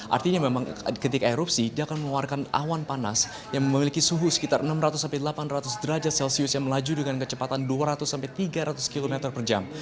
artinya memang ketika erupsi dia akan mengeluarkan awan panas yang memiliki suhu sekitar enam ratus sampai delapan ratus derajat celcius yang melaju dengan kecepatan dua ratus tiga ratus km per jam